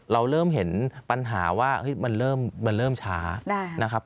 เราเริ่มเห็นปัญหาว่ามันเริ่มช้านะครับ